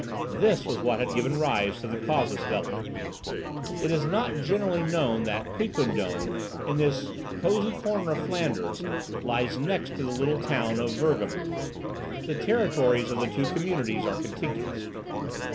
This was what had given rise to the casus belli. It is not generally known that Quiquendone, in this cosy corner of Flanders, lies next to the little town of Virgamen. The territories of the two communities are contiguous.